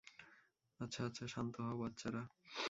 আচ্ছা, আচ্ছা, শান্ত হও, বাচ্চারা।